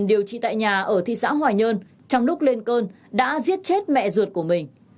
điều trị tại nhà ở thị xã hòa nhơn trong lúc lên cơn đã giết chết mẹ ruột của mình